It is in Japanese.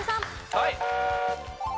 はい！